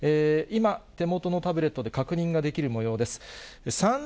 今、手元のタブレットで確認ができるもようです。